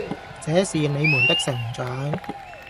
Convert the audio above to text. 這是你們的成長